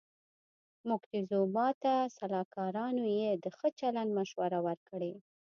موکتیزوما ته سلاکارانو یې د ښه چلند مشوره ورکړې وه.